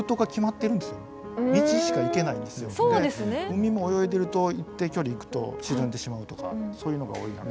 海も泳いでると一定距離行くと沈んでしまうとかそういうのが多い中